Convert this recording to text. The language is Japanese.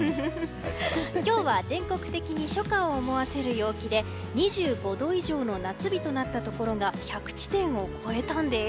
今日は全国的に初夏を思わせる陽気で２５度以上の夏日となったところが１００地点を超えたんです。